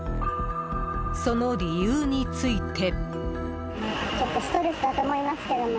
その理由について。